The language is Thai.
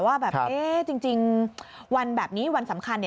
ว่าแบบจริงวันแบบนี้วันสำคัญ